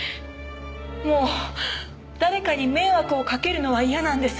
もう誰かに迷惑をかけるのは嫌なんです。